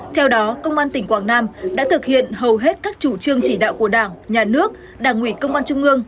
theo đó công an tỉnh quảng nam đã thực hiện hầu hết các chủ trương chỉ đạo của đảng nhà nước đảng ủy công an trung ương